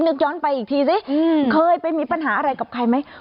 ย้อนไปอีกทีสิเคยไปมีปัญหาอะไรกับใครไหม